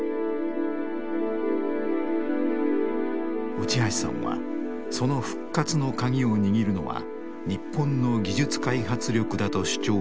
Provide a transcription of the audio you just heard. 内橋さんはその復活の鍵を握るのは日本の技術開発力だと主張したのです。